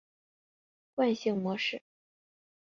惯性模式。